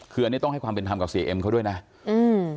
คืออันนี้ต้องให้ความเป็นธรรมกับเสียเอ็มเขาด้วยนะอืม